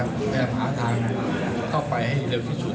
ดูรายของขาดทางเข้าไปให้เร็วสิ้น